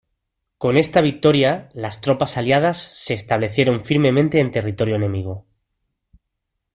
Con esta victoria, las tropas aliadas se establecieron firmemente en territorio enemigo.